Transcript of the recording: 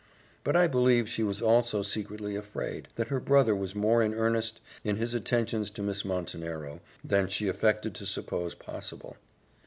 But I believe she was also secretly afraid, that her brother was more in earnest in his attentions to Miss Montenero, than she affected to suppose possible.